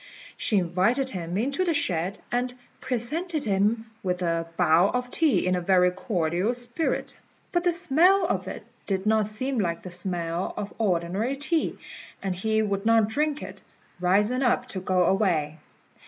She invited him into the shed, and presented him with a bowl of tea in a very cordial spirit; but the smell of it did not seem like the smell of ordinary tea, and he would not drink it, rising up to go away.